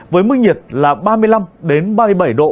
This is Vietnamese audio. với mức nhiệt là ba mươi năm ba mươi bảy độ